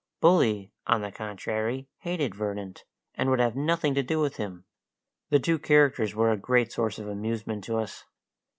Bully, on the contrary, hated Verdant, and would have nothing to do with him. The two characters were a great source of amusement to us.